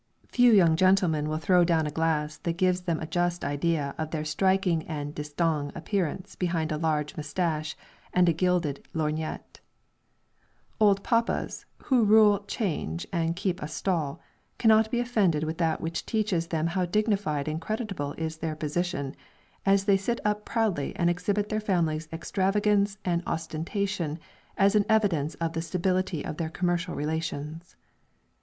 Few young gentlemen will throw down a glass that gives them a just idea of their striking and distingué appearance behind a large moustache and a gilded lorgnette. Old papas, who rule 'change and keep a "stall," cannot be offended with that which teaches them how dignified and creditable is their position, as they sit up proudly and exhibit their family's extravagance and ostentation as an evidence of the stability of their commercial relations.